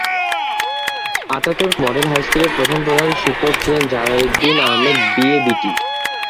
Ataturk model হাইস্কুলের প্রথম প্রধান শিক্ষক ছিলেন জালালউদ্দিন আহমেদ বিএবিটি।